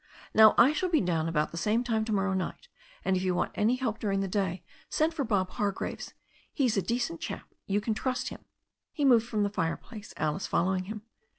Now I shall be down about the same time to morrow night, and if you want any help during the day send for Bob Hargraves. He's a decent chap; you can trust him." He moved from the fireplace, Alice following him.